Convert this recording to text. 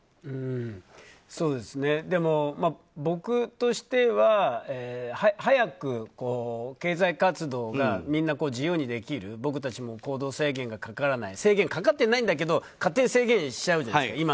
でも、僕としては早く経済活動が、みんな自由にできる僕たちも行動制限がかからない制限かかってないんだけど勝手に制限しちゃうじゃないですか。